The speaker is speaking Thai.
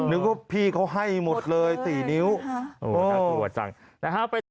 นึกว่าพี่เขาให้หมดเลยสี่นิ้วโอ้โอ้โอ้จังนะฮะ